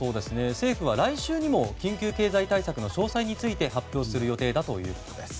政府は来週にも緊急経済対策の詳細を発表する予定だということです。